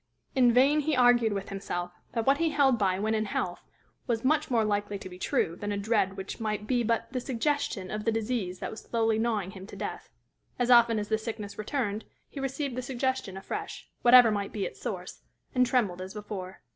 In vain he argued with himself that what he held by when in health was much more likely to be true than a dread which might be but the suggestion of the disease that was slowly gnawing him to death: as often as the sickness returned, he received the suggestion afresh, whatever might be its source, and trembled as before.